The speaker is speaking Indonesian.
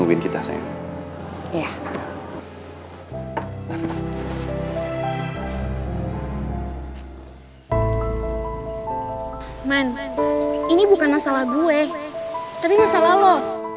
itu bukan masalah gue tapi masalah lo